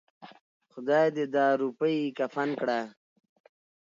خداى دې دا روپۍ کفن کړه.